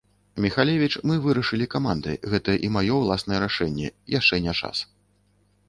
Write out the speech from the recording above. Міхалевіч, мы вырашылі камандай, гэта і маё ўласнае рашэнне, яшчэ не час.